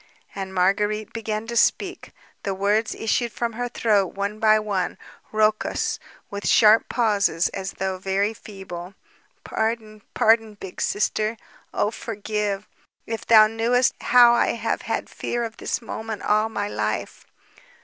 And Marguérite began to speak. The words issued from her throat one by one, raucous, with sharp pauses, as though very feeble. "Pardon, pardon, Big Sister; oh, forgive! If thou knewest how I have had fear of this moment all my life...."